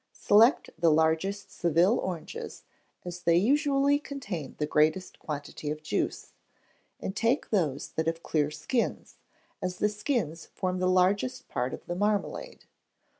Select the largest Seville oranges, as they usually contain the greatest quantity of juice, and take those that have clear skins, as the skins form the largest part of the marmalade.